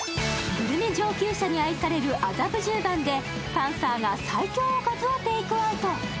グルメ上級者に愛される麻布十番でパンサーが最強おかずをテイクアウト。